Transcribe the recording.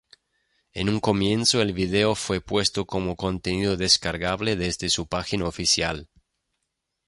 En un comienzo el video fue puesto como contenido descargable desde su página oficial.